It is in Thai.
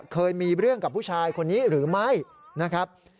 เคยมีเรื่องกับผู้ชายคนนี้หรือไม่นะครับ